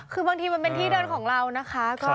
คือบางทีมันเป็นที่เดินของเรานะคะ